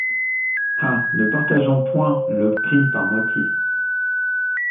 Ah ! ne partageons point le crime par moitié